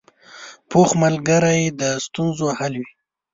پوخ ملګری د ستونزو حل وي